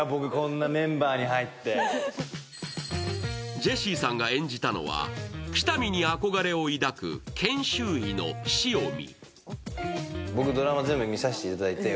ジェシーさんが演じたのは喜多見に憧れを抱く研修医の潮見。